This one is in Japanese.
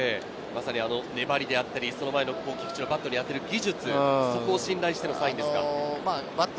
粘りであったり、その前の菊池のバットに当てる技術、そこを信頼してのサインですか？